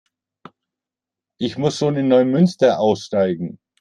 Ich muss schon in Neumünster aussteigen